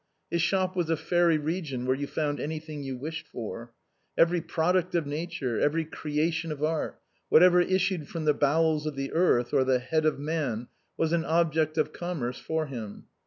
His shop was a fairy region where you found any thing you wished for. Every 198 THE BOHEMIANS OF THE LATIN QUARTER. product of nature, every creation of art; whatever issues from the bowels of the earth or the head of man, was an object of commerce for him.